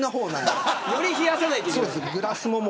より冷やさないといけない。